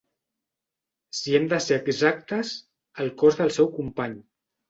Si hem de ser exactes, el cos del seu company.